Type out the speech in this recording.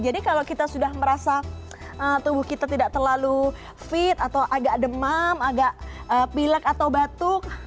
jadi kalau kita sudah merasa tubuh kita tidak terlalu fit atau agak demam agak pilek atau batuk